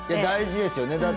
大事ですよね。